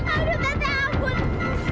aduh teteh ampun